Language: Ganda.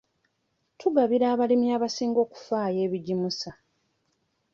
Tugabira abalimi abasinga okufaayo ebigimusa.